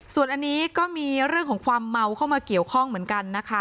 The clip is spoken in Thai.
ส่วนอันนี้ก็มีเรื่องของความเมาเข้ามาเกี่ยวข้องเหมือนกันนะคะ